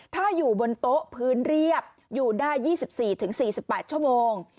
ถ้าอยู่บนโต๊ะพื้นเรียบอยู่ได้๒๔๔๘ชั่วโมง